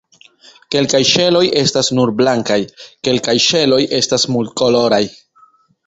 Kelkaj ŝeloj estas nur blankaj, kelkaj ŝeloj estas multkoloraj.